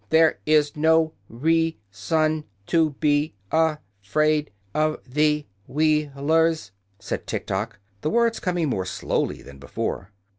"There is no rea son to be a fraid of the Wheel ers," said Tiktok, the words coming more slowly than before.